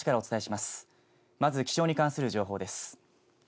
まず気象に関する情報です。